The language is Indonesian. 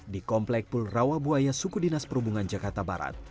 di komplek pulrawabuaya sukudinas perhubungan jakarta barat